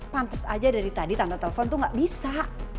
pantes aja dari tadi tante telepon tuh gak bisa